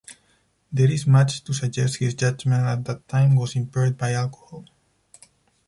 There is much to suggest his judgement at that time was impaired by alcohol.